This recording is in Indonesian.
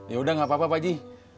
yaudah gak apa apa pak haji